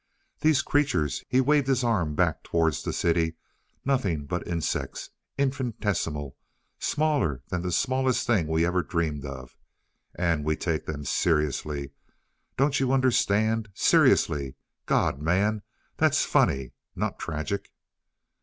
These creatures" he waved his arm back towards the city "nothing but insects infinitesimal smaller than the smallest thing we ever dreamed of. And we take them seriously. Don't you understand? Seriously! God, man, that's funny, not tragic."